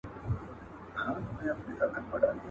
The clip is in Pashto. د ډول ږغ د ليري ښه خوند کوي.